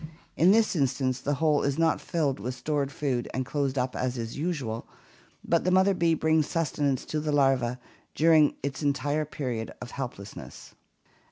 In this instance the hole is not filled with stored food and closed up as is usual, but the mother bee brings sustenance to the larva during its entire period of helplessness.